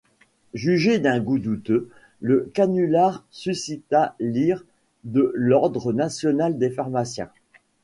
Jugé d'un goût douteux, le canular suscita l'ire de l'Ordre national des pharmaciens.